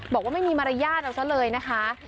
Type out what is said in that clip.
บอกว่าไม่มีมารยาทเอาซะเลยนะคะ